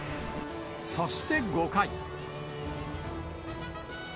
そして５回。